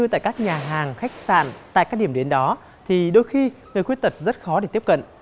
thì đôi khi người khuyết tật rất khó để tiếp cận